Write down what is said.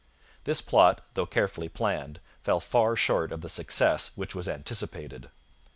This plot, though carefully planned, fell far short of the success which was anticipated.